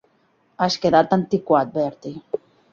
Has quedat antiquat, Bertie.